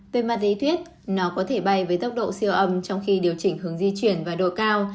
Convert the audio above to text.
về mặt lý thuyết nó có thể bay với tốc độ siêu âm trong khi điều chỉnh hướng di chuyển và độ cao